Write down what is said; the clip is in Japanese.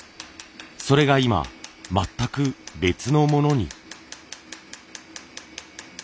それが今全く別のものに。